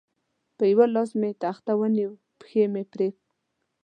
په یوه لاس مې تخته ونیول، پښې مې پرې.